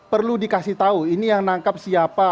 perlu dikasih tahu ini yang menangkap siapa